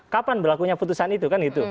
kapan berlakunya putusan itu kan itu